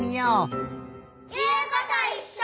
いうこといっしょ！